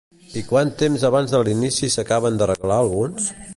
I quant temps abans de l'inici s'acaben d'arreglar alguns?